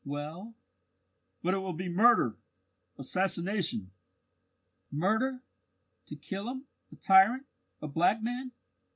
"Well?" "But it will be murder assassination." "Murder, to kill him a tyrant a black man!